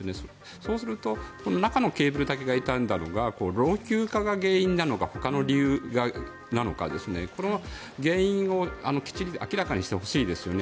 そうするとこの中のケーブルだけが傷んだのが老朽化が原因なのかほかの理由なのかこの原因をきちんと明らかにしてほしいですよね。